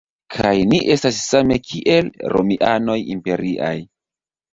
Kaj ni estas same kiel romianoj imperiaj.